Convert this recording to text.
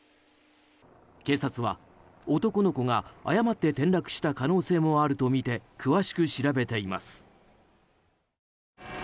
警察は男の子が誤って転落した可能性もあるとみて詳しく調べています。